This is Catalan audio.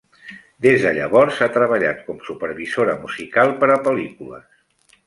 Des de llavors, ha treballat com supervisora musical per a pel·lícules.